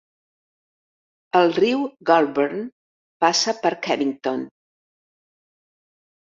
El riu Goulburn passa per Kevington.